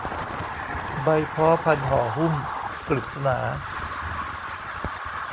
ใบพ้อพันห่อหุ้ม กฤษณา